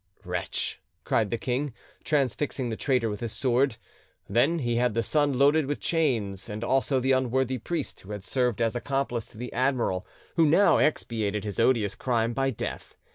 "Wretch!" cried the king, transfixing the traitor with his sword. Then he had the son loaded with chains, and also the unworthy priest who had served as accomplice to the admiral, who now expiated his odious crime by death.